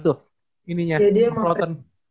iya dia emang pake itu